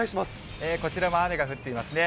こちらも雨が降っていますね。